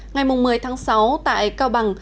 ngày một mươi tháng sáu tại cao bằng